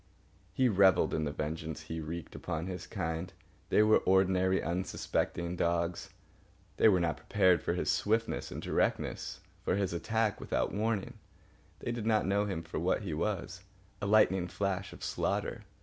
He revelled in the vengeance he wreaked upon his kind. They were ordinary, unsuspecting dogs. They were not prepared for his swiftness and directness, for his attack without warning. They did not know him for what he was, a lightning flash of slaughter.